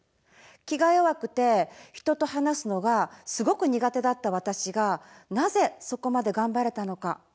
気が弱くて人と話すのがすごく苦手だった私がなぜそこまでがんばれたのか？